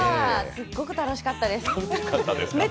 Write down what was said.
すっごく楽しかったです。